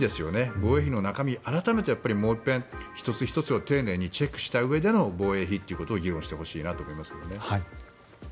防衛費の中身、改めてもう一遍１つ１つ丁寧にチェックしたうえでの防衛費ということを議論してほしいなと思います。